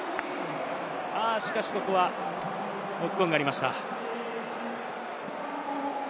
しかしここはノックオンがありました。